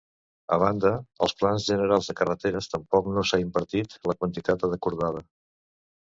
A banda, als Plans Generals de Carreteres tampoc no s'ha invertit la quantitat acordada.